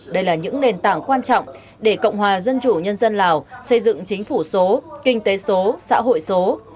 đây là những nền tảng quan trọng để cộng hòa dân chủ nhân dân lào xây dựng chính phủ số kinh tế số xã hội số